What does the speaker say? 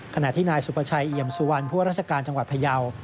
ขณะที่นายสุประชัยเอี่ยมสุวรรณผู้ว่าราชการจังหวัดพยาว